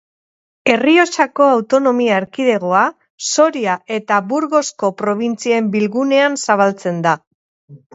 Errioxako Autonomia Erkidegoa, Soria eta Burgosko probintzien bilgunean zabaltzen da.